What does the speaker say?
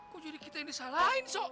kok jadi kita yang disalahin so